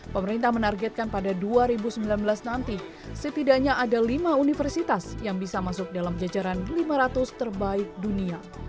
pemerintah menargetkan pada dua ribu sembilan belas nanti setidaknya ada lima universitas yang bisa masuk dalam jajaran lima ratus terbaik dunia